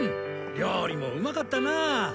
料理もうまかったなあ。